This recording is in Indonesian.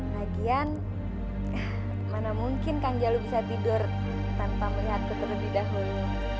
lagian mana mungkin kang jalu bisa tidur tanpa melihatku terlebih dahulu